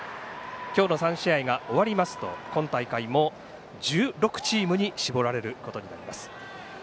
今日の３試合が終わりますと今大会も１６チームに絞られることになります。